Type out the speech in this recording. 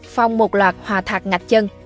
phong một loạt hòa thạc ngạch chân